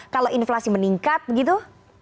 kalau inflasi meningkat begitu